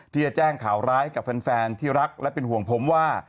ที่จะแจ้งข่าวร้ายกับแฟนที่รักและเป็นห่วงผมว่า